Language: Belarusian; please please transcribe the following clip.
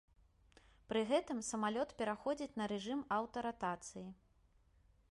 Пры гэтым самалёт пераходзіць на рэжым аўтаратацыі.